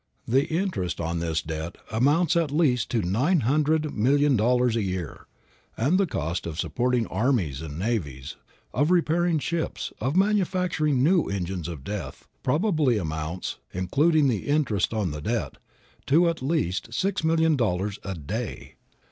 The interest on this debt amounts at least to nine hundred million dollars a year; and the cost of supporting armies and navies, of repairing ships, of manufacturing new engines of death, probably amounts, including the interest on the debt, to at least six million dollars a day.